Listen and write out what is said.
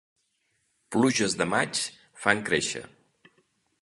Pluges de maig fan créixer.